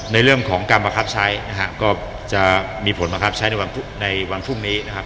ในเรื่องของการบังคับใช้นะฮะก็จะมีผลบังคับใช้ในวันพรุ่งนี้นะครับ